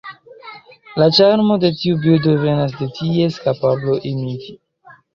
La ĉarmo de tiu birdo venas de ties kapablo imiti.